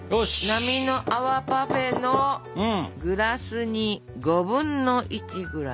なみのあわパフェのグラスに５分の１ぐらい。